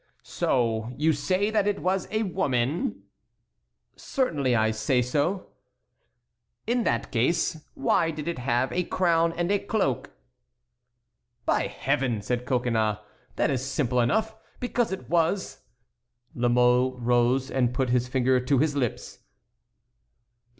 "So you say that it is a woman?" "Certainly I say so." "In that case, why did it have a crown and a cloak?" "By Heaven!" said Coconnas, "that is simple enough, because it was"— La Mole rose and put his finger on his lips.